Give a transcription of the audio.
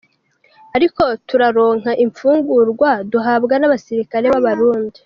Ariko turaronka imfungurwa duhabwa n'abasirikare b'abarundi.